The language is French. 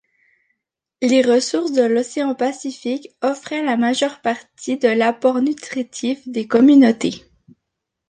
Les ressources de l’océan Pacifique offraient la majeure partie de l’apport nutritif des communautés.